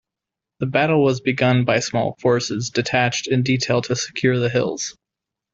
The battle was begun by small forces detached in detail to secure the hills.